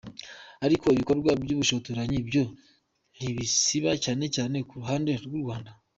Ariko ibikorwa by’ubushotoranyi byo ntibisiba cyane cyane ku ruhande rw’u Rwanda.